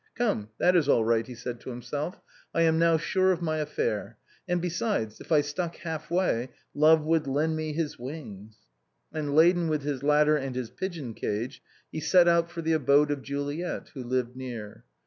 " Come, that is all right," he said to himself ;" I am now sure of my afi^air; and besides, if I stuck half way, * love would lend me his wings.' " And laden with his ladder and his pigeon cage, he set out for Ihe abode of Juliet, who lived near.